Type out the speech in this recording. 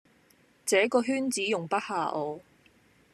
這個圈子容不下我